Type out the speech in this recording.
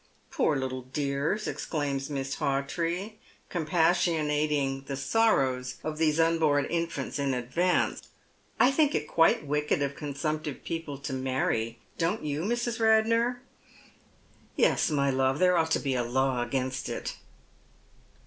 " Poor little dears," exclaims Miss Hawtree, compassionating the sorrows of these unborn infants in advance. " I think it quite wicked of consumptive people to marry, don't you, Mrs. Radnor ?"" Yes, my love, there ought to be a law against it."